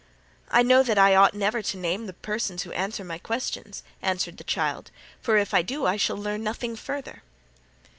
"I know that I ought never to name the persons who answer my questions," answered the child, "for if I do I shall learn nothing further."